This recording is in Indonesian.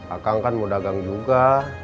akang kan mau dagang juga